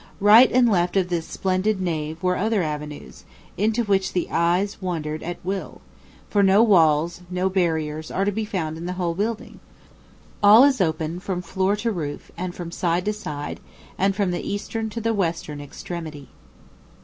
Right and left of this splendid nave were other avenues, into which the eyes wandered at will; for no walls, no barriers are to be found in the whole building; all is open, from floor to roof, and from side to side, and from the eastern to the western extremity.